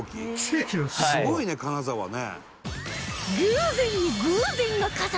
「すごいね金沢ね」